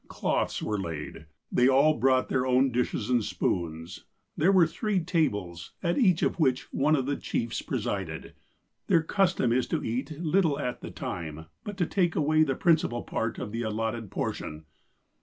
Cloths were laid. They all brought their own dishes and spoons. There were three tables, at each of which one of their chiefs presided. Their custom is to eat little at the time, but to take away the princi pal part of the allotted portion.